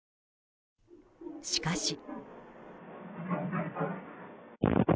しかし。